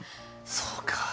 そうか。